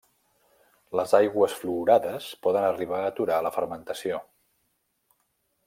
Les aigües fluorades poden arribar a aturar la fermentació.